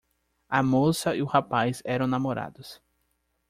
A moça e o rapaz eram namorados.